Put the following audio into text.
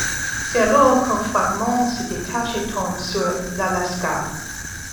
C'est alors qu'un fragment se détache et tombe sur l'Alaska...